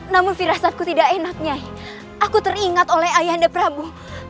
namun firasatku tidak enak nyai aku teringat oleh ayah anda prabu